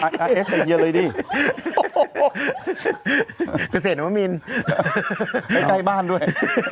รร์เอสกับเกี่ยวเลยดิเพื่อเสรตพ่อมิลไปใกล้บ้านด้วย